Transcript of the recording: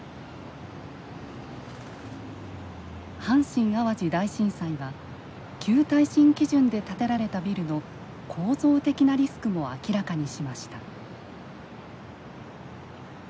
阪神・淡路大震災は旧耐震基準で建てられたビルの構造的なリスクも明らかにしました。